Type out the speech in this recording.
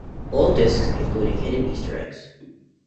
All discs include hidden easter eggs.